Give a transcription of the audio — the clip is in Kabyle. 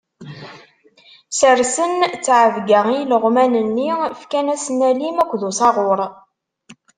Sersen ttɛebga i ileɣman-nni, fkan-asen alim akked usaɣur.